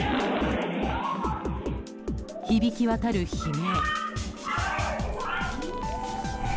響き渡る悲鳴。